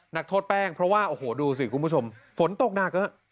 นักโทษแป้งเพราะว่าโอ้โหดูสิคุณผู้ชมฝนตกหนักฮะ